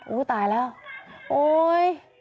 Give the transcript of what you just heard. อู้ตายแล้วโอ้ย